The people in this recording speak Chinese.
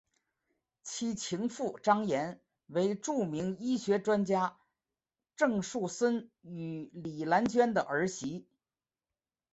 其情妇张琰为著名医学专家郑树森与李兰娟的儿媳。